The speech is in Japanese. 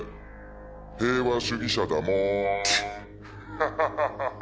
「ハハハハ」